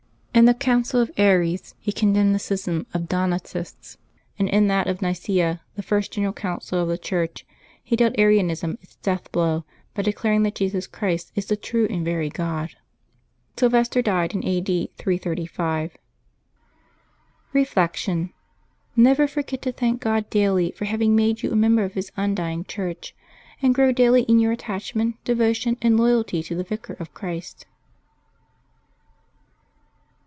In the Council of Aries he condemned the schism of the Donatists; and in that of Nicaea, the first general Council of the Church, he dealt Arianism its death blow by declaring that Jesus Christ is the true and v ery God. Sylvester died a. d. 335. Decembeb 311 LIVES OF THE SAINTS 391 Reflection. — Never forget to thank God daily for havincr made yon a member of His undying Church, and grow daily in your attachment, devotion, and loyalty to the Vicar of Christ.